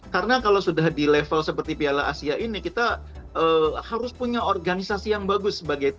karena kalau sudah di level seperti piala asia ini kita harus punya organisasi yang bagus sebagai tim ya